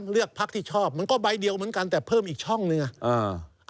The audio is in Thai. เลือกพักที่ชอบมันก็ใบเดียวเหมือนกันแต่เพิ่มอีกช่องหนึ่งอ่ะอ่า